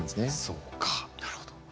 そうかなるほど。